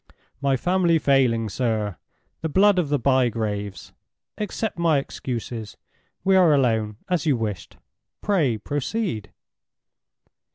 "My family failing, sir—the blood of the Bygraves. Accept my excuses. We are alone, as you wished; pray proceed."